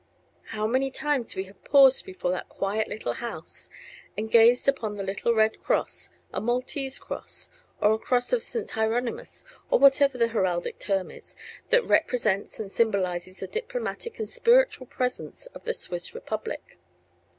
How many times we have paused before that quiet little house and gazed upon the little red cross, a Maltese Cross, or a Cross of St. Hieronymus; or whatever the heraldic term is, that represents and symbolizes the diplomatic and spiritual presence of the Swiss republic.